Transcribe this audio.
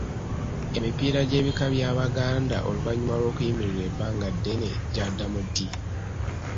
Emipiira gy'ebika bya Baganda oluvannyuma lw’okuyimirira ebbanga eddene gyaddamu ddi?